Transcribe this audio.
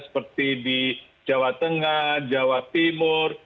seperti di jawa tengah jawa timur